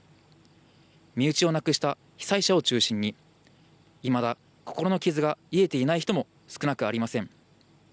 身内を亡くした被災者を中心に、いまだ心の傷がいえていない人も少なくありません。